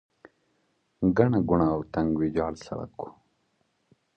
ګڼه ګوڼه او تنګ ویجاړ سړک و.